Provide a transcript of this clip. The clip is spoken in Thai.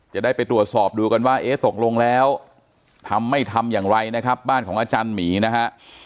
จะได้ไปตรวจสอบดูกันว่าเอ๊ะตกลงแล้วทำไม่ทำอย่างไรนะครับบ้านของอาจารย์หมีนะฮะ